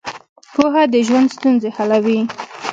پوهه د ژوند ستونزې حلوي.